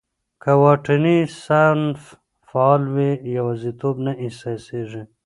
که واټني صنف فعال وي، یوازیتوب نه احساسېږي.